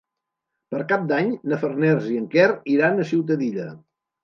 Per Cap d'Any na Farners i en Quer iran a Ciutadilla.